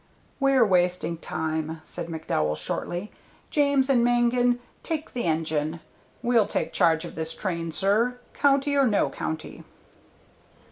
"We're wasting time," said McDowell, shortly. "James and Mangan, take the engine. We'll take charge of this train, sir, county or no county."